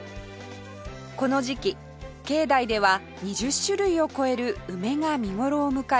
この時期境内では２０種類を超える梅が見頃を迎え